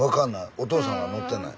お父さんは乗ってない？